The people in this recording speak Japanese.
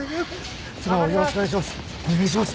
妻をよろしくお願いします！